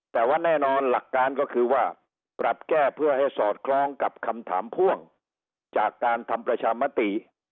แต่ว่าแน่นอนหลักการก็คือว่าปรับแก้เพื่อให้สอดคล้องกับคำถามพ่วงจากการทำประชามติ